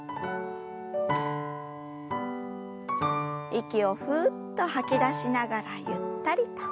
息をふっと吐き出しながらゆったりと。